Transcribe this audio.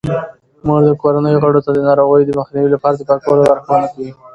مور د کورنۍ غړو ته د ناروغیو د مخنیوي لپاره د پاکولو لارښوونه کوي.